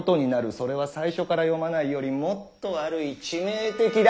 それは最初から読まないよりもっと悪い致命的だ。